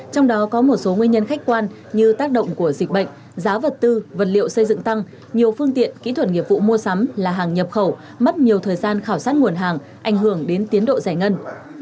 trong đó có một số nguyên nhân khách quan như tác động của dịch bệnh giá vật tư vật liệu xây dựng tăng nhiều phương tiện kỹ thuật nghiệp vụ mua sắm là hàng nhập khẩu mất nhiều thời gian khảo sát nguồn hàng ảnh hưởng đến tiến độ giải ngân